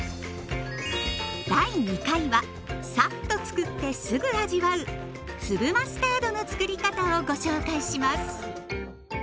第２回はさっとつくってすぐ味わう粒マスタードのつくり方をご紹介します。